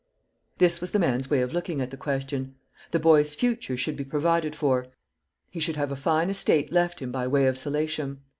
This was the man's way of looking at the question; the boy's future should be provided for, he should have a fine estate left him by way of solatium.